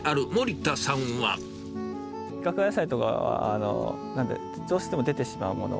規格外野菜とかは、どうしても出てしまうもの。